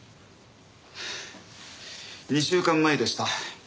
２週間前でした。